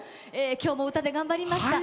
きょうも頑張りました。